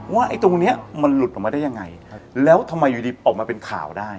ไอ้ตรงเนี้ยมันหลุดออกมาได้ยังไงแล้วทำไมอยู่ดีออกมาเป็นข่าวได้